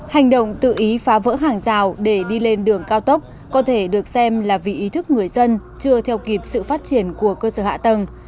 hành động tự ý phá vỡ hàng rào để đi lên đường cao tốc có thể được xem là vì ý thức người dân chưa theo kịp sự phát triển của cơ sở hạ tầng